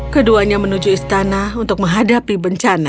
keduanya menuju istana untuk menghadapi bencana